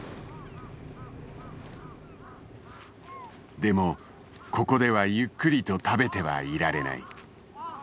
でもここではゆっくりと食べてはいられない。